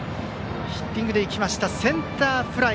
ヒッティングでいきましたがセンターフライ。